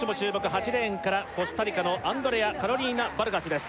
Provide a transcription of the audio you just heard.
８レーンからコスタリカのアンドレアカロリナ・バルガスです